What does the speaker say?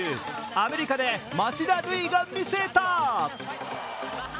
アメリカで町田瑠唯が見せた。